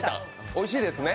おいしいですね？